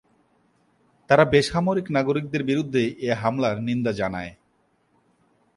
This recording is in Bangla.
তারা বেসামরিক নাগরিকদের বিরুদ্ধে এ হামলার নিন্দা জানায়।